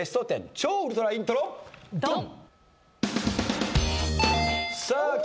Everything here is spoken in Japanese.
超ウルトライントロドン！